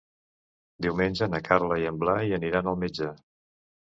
Diumenge na Carla i en Blai aniran al metge.